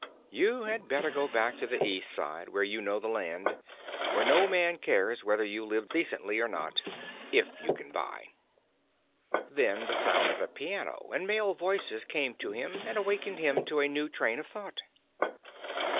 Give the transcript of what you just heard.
You had better go back to the East Side where you know the land; where no man cares whether you live decently or not if you can buy." Then the sound of a piano and male voices came to him and awakened him to a new train of thought.